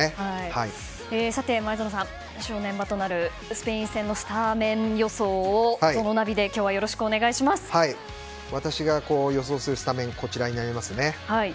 前園さん、正念場となるスペイン戦のスタメン予想をＺＯＮＯナビで私が予想するスタメンはこちらになります。